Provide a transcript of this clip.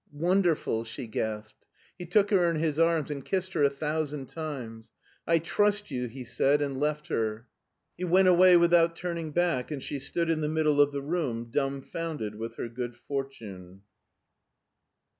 Wonderful/' she gasped. He took her in his arms and kissed her a thousand times. " I trust you/* he said, and left her. He went away without turning back, and she stood in the middle of the room dumbfounded with her good fortune.